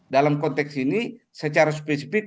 dalam konteks ini secara spesifik